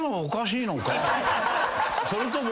それとも。